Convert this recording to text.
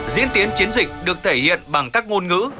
diễn tiến chiến dịch được thể hiện bằng các ngôn ngữ